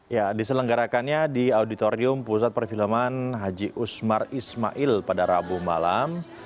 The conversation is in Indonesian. ya diselenggarakannya di auditorium pusat perfilman haji usmar ismail pada rabu malam